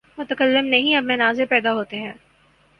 متکلم نہیں، اب مناظر پیدا ہوتے ہیں۔